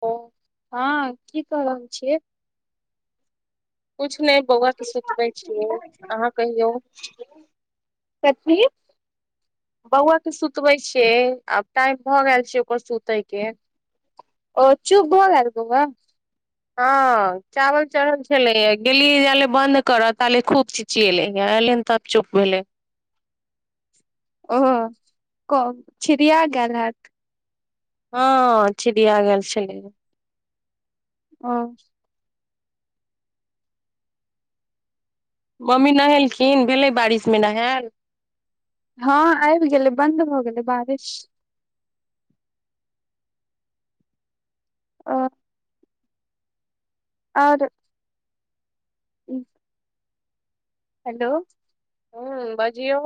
ओ हँ की कह रहल छियै कुछ नहि बौआ के सुतबे छियै अहाँ कहियौ कथी बौआ के सुतबे छियै आब टाइम भऽ गेल छै ओकर सुते के ओ चूप भ गेल बऊआ हँ चावल चढ़ल छले गेली जाले बंन्द करय ताले खूब चिए लगलनि एलये हन त चुप भेलै ओ छिड़िया गोल हायथ हँ छिड़िया गेलल छले हाँ मम्मी नहेलखिन भेलै बारिशमे नहायल हँ आबि गेलै बन्द भऽ गेलै बारिश आ आओर ह हेलो हू बाजियौ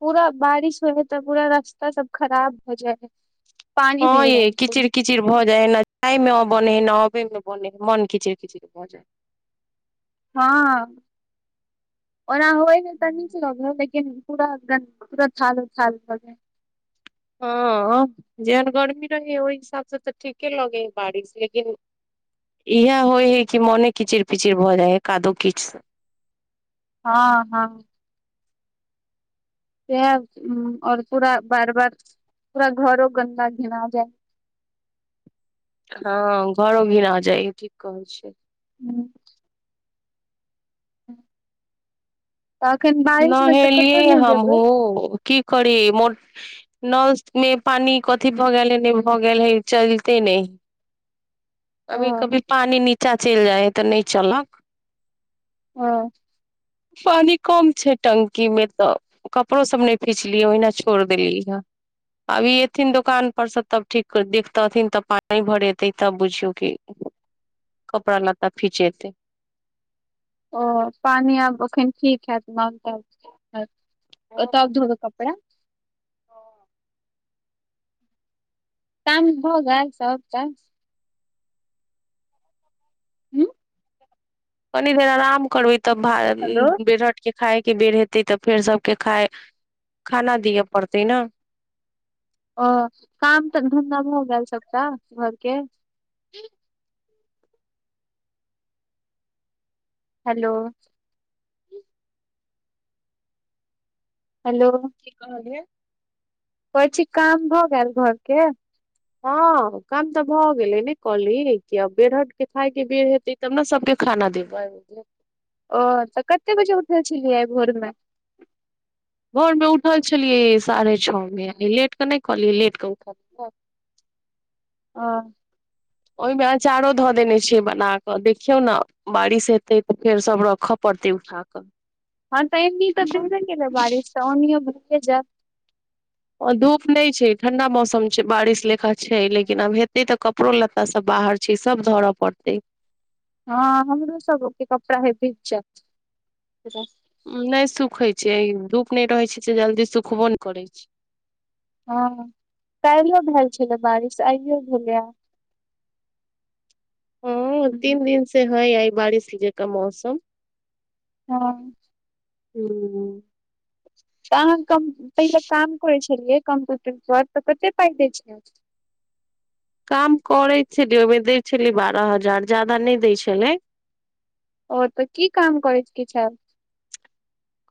पूरा बारिश होइ है तऽ पूरा रास्ता सब खराब हो जाइ है पानी भेल [unintelligible] खिचिर भऽ जाय हय नहि जाय मे बनै हय नहि अबे मे बने हय मन खिचिर खिचड़ भ जा हय हँ ओना होइमे तऽ निक हइ लगे है पूरा एकदम पूरा थालो थाल भ जाय छै हँ जेहन गर्मी रहै ओहि हिसाबसँ तऽ ठीके लगे हइ बारिश लेकिन इएहे होइ हय कि मोने कीचिड़ पिचिड़ भऽ जाय है कादो किच स हँ हँ इह और पूरा बार बार पूरा घरो गन्दा घिना जाय है हँ घरो घिना जाइ हय की कहै छै हूँ ह तऽ कतहु नहेलियै नहि जेबै हमहुँ की करी मोन नल मे पानी कथी भऽ गेल है नहि भए गेल हय चलते नहि ओ कभी कभी पानि नीचाँ चलि जाइ हइ तऽ नहि चलक हँ पानी कम छै टंकी मे तऽ कपड़ो सब नहि फीचलियै ओहिना छोड़ देलियै है अब एथिन दोकान पर से तब ठीक देखतेथिन तब पानि भरेते तब बुझियौ की [unintelligible] कपड़ा लत्ता खिचेतै ओ पानि आब एखन ठीक हत माउंटब ओ तब घोबे कपड़ा कनी काम भग सब तऽ हू कनि देर आराम करबै तब भार हेलो बेरहट के खायके बेर हेतै तऽ फेर सबके खाय खाना दिअ पड़ते ने अ काम तऽ धंधा भ गेल सबटा घरके ह हेलो हेलो की कहलियै कहय छी काम भऽ गेल घर के हँ काम तऽ भऽ गेलै ने कहली कि आब बेर हट के खायके बेर हेतय तब ने सबके खाना देबय ओ तऽ कते बजे उठल छलियै भोर में घर में उठल छलियै साढ़े छओ मे लेट के नहि कहलियै लेट के उठल ह [inaudible] ओहिमे अचारो धऽ देने छै बना कऽ देखियौ ने बारिश हेते तऽ फेर सब रखय पड़ते उठा क हँ त एनी त भीगवे गएले बारिश त ओनियो भींगते जायब धूप नहि छै ठंडा मौसम छै बारिश लेखा छै लेकिन आब हेतै तऽ क कपड़ों लत्ता सब बाहर छै सब धरय पड़ते हँ हमरो सब के कपड़ा हे भीज जात नहि सुखै छै धूप नहि रहै छै से जल्दी सुखबो नहि करै छै हँ काल्हियो भेल छलए बारिश आइयो भेलैए हँ तीन दिन से हैइ आइ बारिश जेका मौसम हँ हू तऽ अहाँ पहिले काम करै छलियै कम्प्यूटर पर तऽ कते पाइ दै छै काम करै छली ओहिमे दै छली बारह हजार जादा नहि दै छलै ओर तऽ की काम करै छ कि छल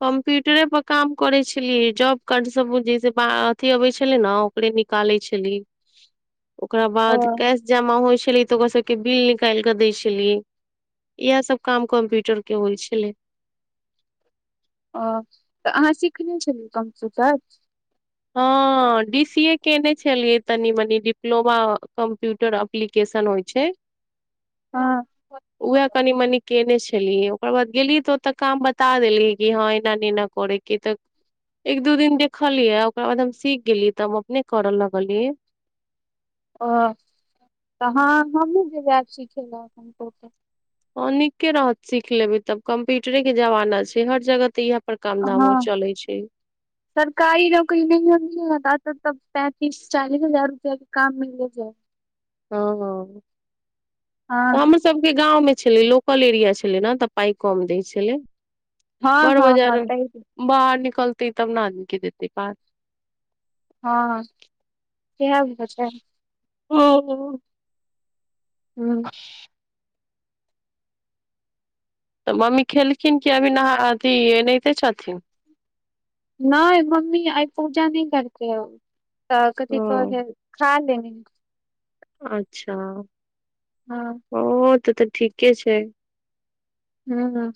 कम्प्यूटरे पर काम करै छलियै जॉब कार्ड सब जैस अथि अबै छले ने के निकालै छलीये [inaudible] ओकरा ओ बाद कैश जमा होइ छलै तऽ ओकरा सबके बिल निकाल के दय छलियै इएहा सब काम कम्प्यूटर के होइ छले ओ तऽ अहाँ सिखने छलियै कंप्यूटर हँ हां डी सी ए केने छलियै तनि मनी डिप्लोमा कम्प्यूटर एप्लिकेशन होइ छै हँ उह कनि मनी केने छै ओकर बाद गेली तऽ ओतऽ काम बता देली कि ह एना नहि एना करेके तऽ एक दू दिन देखलियै ओकरा बाद हम सीख गेलियै तऽ हम अपने करऽ लगली ओ त हमूँ जेबय आब सीखेल हँ नीके रहत सीख लेबै तब कम्प्यूटरे के जमाना छै हर जगह तऽ इएह पर काम धामो हँ चलै छै [inaudible] सरकारी नौकरी नहि म तब पैंतीस चालीस हजार रुपआ के काम मिले छै [inaudible] हँ हँ हँ सम सबके गाँंव मे छलै लोकल एरिया छलै ने तऽ पाइ कम दै छलै हँ बर हँ हँ बाजार तै बाहर निकलतय तब न आदमीे देतय पाय हँ ईहे [unintelligible] ह ह हू ह [unintelligible] तऽ मम्मी खेलखिन कि अभी नहा अथि एनाहिते छथिन नय मम्मी आइ पूजा नहि करते ओ तकथी ह कह खा लेन अच्छा हँ ओ त त ठीके छै हँ ह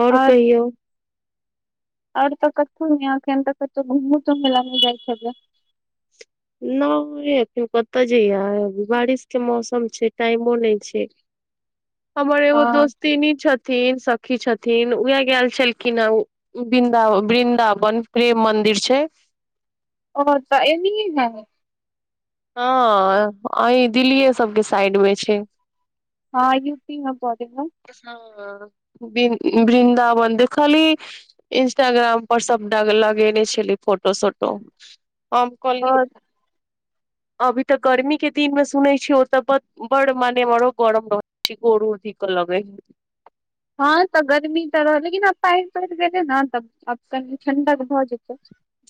आओर कहियौ आओर तऽ कथहु ने अखैन त कतौ घुमू तुमहो ल नय जाय छलियै न अखन कत जैया बारिश के मौसम छै टाइमो नहि छै [inaudible] हमर एगो हँ दोस्तिन छथिन सखी छथिन उएह गल छलखिन हेँ ओ वृन्दावन वृन्दावन प्रेम मन्दिर छै ओ त एनी ने हँ अ दिल्लिए सबके साइड मे छै हँ यू पी मे बी हँ वि वृन्दावन देख खाली इंस्टाग्राम पर सबटा लगेने छलै फोटो सोटो हम कहलिय आओर अभी त गर्मी के दिन में सुनै छी ओत‌ ब बड़ मनेरो गरम रह च गोरूथी कलग ह [unintelligible] हँ तऽ गर्मी तऽ रहल लेकिन आब पैन पैर जेतय न तऽ आब कनि ठण्डक भऽ जेतै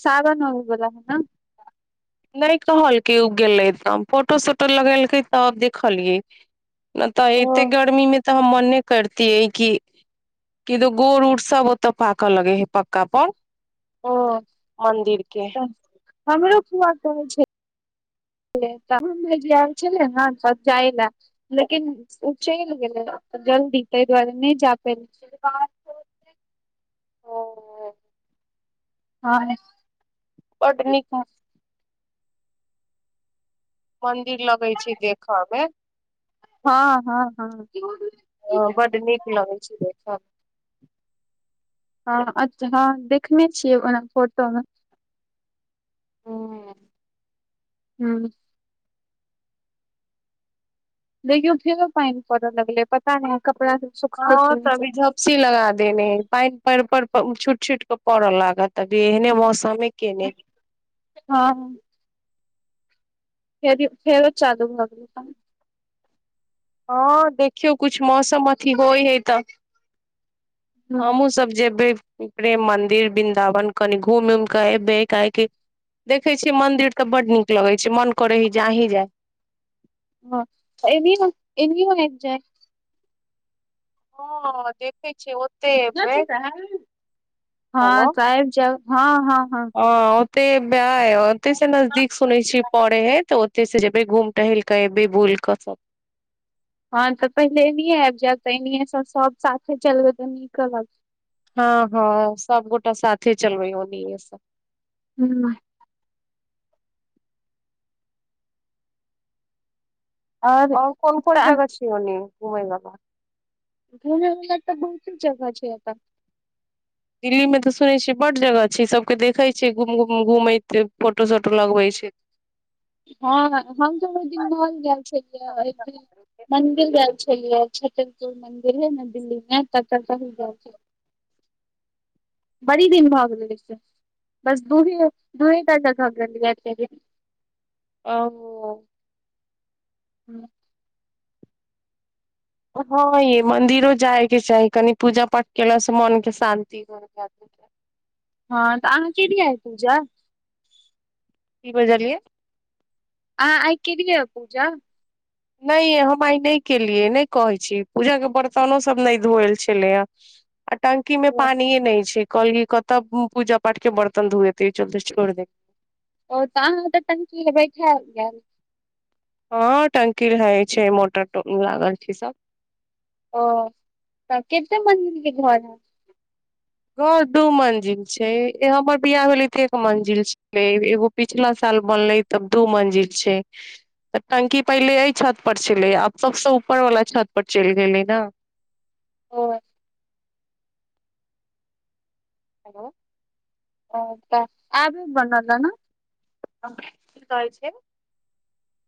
सााग न बोला है ने नय कहलक उ गेले त फोटो सोटो लगेलकै तब देखलियै न त ओ एते गर्मी मे त हम मन करतियै कि कि गोर उड़ सब ओ तऽ पाक लगे है पक्का पर ओ मंदिर के त हमरो खुआ कहै छै त भ एल छेलै ने ने त जाइ लए लेकिन ओ चलि गेलै जल्दी ताहि दुआरे नहि जा प ओ हँ बड नीक मंदिर लगै छै देख मे हँ हँ हँ लगै छै देख हँ अच्छा हँ देखने छियै ओना फोटो मे ह हू देखियौ फेरो पैन पर‌अ लगले पता नहि कपड़ा सुखते हँ कि नहि तभी सुखतै। झब सी लगा देने पानि पर पर छूट छूट के पड़ लागत अभी एहने मौसममे केने हँ फेर फेरो चालू भ गेलै हँ देखियौ किछु मौसम अथी होइ है त हमहुँ सब जेबै प्रेम मंदिर वृन्दावन कनि घुम उम क एबै क कि देखै छियै मंदिर तऽ बड नीक लगै छै मन करे ही जा ही जाय हँ एनीओ एनजीओ आइब जेब हँ देखै छिय ओ हँ त आब जाउ हँ हँ हँ ह ओते व ओते से नजदीक सुनै छी पड़ै हय तऽ ओते से जेबे घूम टहैल कै बूल कस हँ तऽ पहिले एनए आबि जायब त एनिये स सब साथे चलबे तऽ नीक कहब हँ हँ सब गोट साथे चलबै ओनिए स हु आओर कोन कोन तऽ जगह छैय ओनी घुमय वला घुम वला तऽ बहुते जगह छै अ दिल्ली मे तऽ सुनै छियै बड जगह छै सबके देखै छै घुम घुम घूमैत फोटो शोटो लगवै छै हँ हम थोड़ो दिन घरगेल छलियै [unintelligible] मंदिर गए छलियैप मंदिर है ने दिल्ली मे त तही जाइ छल बड़ी दिन भग रहलै छै बस दूही दूहे टा भाग रहलीऐ एके दिन ओ हँ हँ य मंदिरो जाय के चाही कनि पूजा पाठ केलास स मन के शानंति [inaudible] हँ तऽ अहाँ के आय पूजा की बजलियै आ आइ कालियै य पूजा नहि हम आइ नहि केलियै नहि कहै छी पूजा के बर्तनो सब नहि धोएल छलै या आ टंकी मे ओ पानिये नहि छै कली कत पूजा पाठ के बर्तन धु एत ई चलते ड़ ओ तऽ अहाँत टंकी ल बैठा गेल हँ टंकी रहै छै मोटर लागल छै सब ओ तऽ कते मन्दिरके घर हए घर दू मंजिल छै हमर बियाह भेलै त एक मंजिल छलै एगो पिछला साल बनलै तब दू मंजिल छै तऽ टंकी पहिले एहि छत पर छलै आब सबसँ ऊपर वाला छत पर चलि गेलै न ओर हेलो ओ त आबे बन न की कहै छै [unintelligible]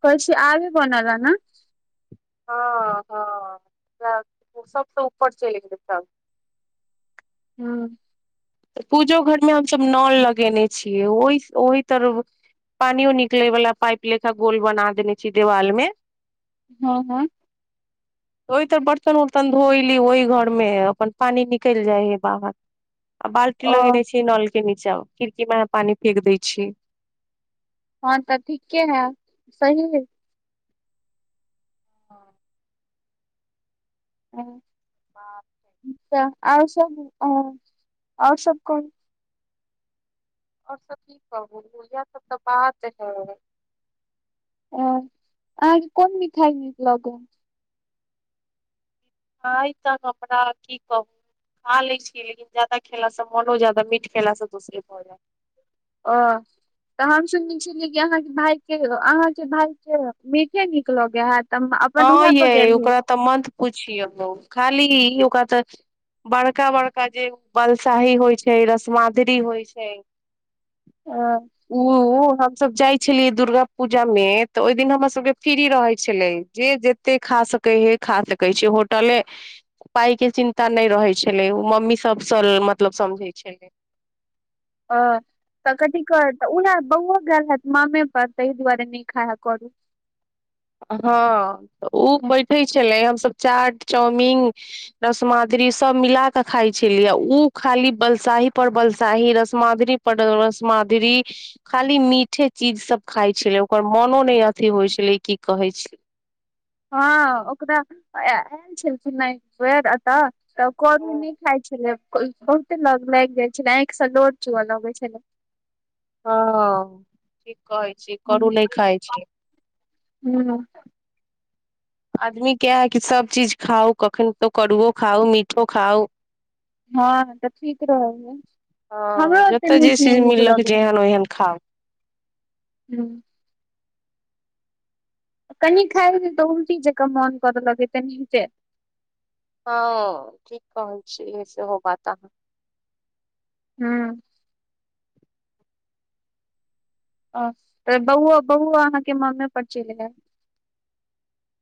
कहैछीयै आबे बनल न हँ हँ सब स ऊपर चलि गेल हँ तऽ पूजो घर मे हमस नल लगेने छियै ओ ओहि ओहि तरह पानियो निकले वाला पाइप लेखा गोल बना देने छी देवाल मे हँ हँ ओहि तर बर्तन उर्तन धोयली ओहि घर मे हयअपन पानि निकलि जाइ हइ बाहर आ बाल्टीन ओ लगेने छी नल के नीचा खिड़की में पानी फेेक दय छी हँ तऽ ठीके हए सही ह हँ बाप रे छा आओर सब आओर सब कोन [unintelligible] और सब की कहू इएह सब तऽ बात है आ अहाँके कोन मिठाइ नीक लग आइ तऽ हमरा की कहू खा लै छीयै लेकिन जैदा खेलास मोनो जादा मीठ खेलास से दूषरित भ जाय ओ तऽ हम सुनली सुनली कि अहाँके भाय के अहा के भाय के मिके नीक लगै हयत तऽ अपन हँ उहाँ पर यै गेल है ओकरा तऽ मत पूछियौ खाली ई उ तऽ बड़का बड़का जे बलशाही होइ छै रसमाध्री होइ छै ह ओ हमसभ जाइ छलियै दुर्गा पूजा मे तऽ ओहि दिन हमर सबके फ्री रहै छलै जे जते खा सकै हे खा सकै छै होटले पाइ के चिन्ता नहि रहै छलै ओ मम्मी सबसँ मतलब समझै छलै अ तऽ कथिकर उह बौओ ग हैत मामे पर ताहि दुआरे न खाया करय हँ तऽ ओ बैठे छलै हमसभ चाट चाउमिन रस मद्री सब मिला क खाइ छलियै ओ खाली बलसाही पर बलसाही रस माद्री प रसमाद्री खाली मीठे चीज सब खाइ छलै ओकर मनो नहि अथी होइ छलै की कहै छल हँ ओकरा आयल छै सुना एत त करू ओ खाइ छलै बहुते ल लागि जाइ छलै आँखि से लोर चुअ लगैत छलै हँ ठीक कहै छी करु नहि खाय छै हूँ आदमी क है कि सभ चीज खाउ कखन तो करुओ खाउ मीठो खाउ हँ तऽ ठीक रहल ह ह जतय जे चीज मिललक जेहन ओहन खाउ हूँ कनि खाए लै तऽ उलटी जकाँ मोन करलकै तनी केँ हँ ठीक कह रहल छीयै एहो बात त अहाँ हूँ अ त बहुआ बहुआ अहाँके ममे पर चल हय